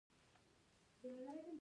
د لارې څخه د تیږې لرې کول ثواب دی.